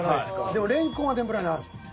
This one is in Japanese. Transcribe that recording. でもレンコンは天ぷらにあるのよね。